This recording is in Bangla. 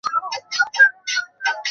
অবশ্যই, দোস্ত।